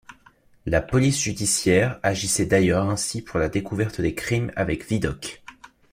La Police Judiciaire agissait d’ailleurs ainsi pour la découverte des crimes avec Vidocq.